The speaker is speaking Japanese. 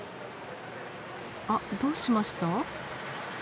あっどうしました？